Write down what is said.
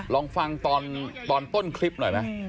ลองฟังตอนต้นคลิปหน่อยไหม